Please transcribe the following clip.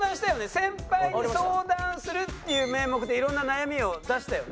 先輩に相談するっていう名目でいろんな悩みを出したよね？